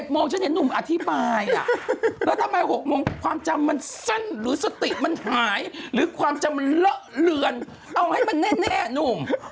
โมงฉันเห็นหนุ่มอธิบายแล้วทำไม๖โมงความจำมันสั้นหรือสติมันหายหรือความจำมันเลอะเลือนเอาให้มันแน่นุ่ม